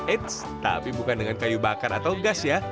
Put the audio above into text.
eits tapi bukan dengan kayu bakar atau gas ya